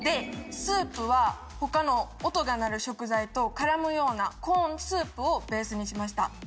スープは他の音が鳴る食材と絡むようなコーンスープをベースにしました。